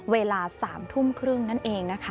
เวลา๓ทุ่มครึ่งนั่นเองนะคะ